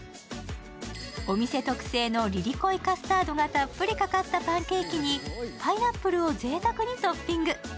お店特製のリリコイカスタードがたっぷりかかったパンケーキにパイナップルをぜいたくにトッピング。